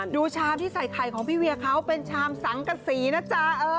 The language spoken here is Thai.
ชามที่ใส่ไข่ของพี่เวียเขาเป็นชามสังกษีนะจ๊ะ